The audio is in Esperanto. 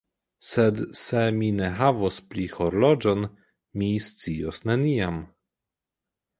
Sed se mi ne havos pli horloĝon, mi scios neniam.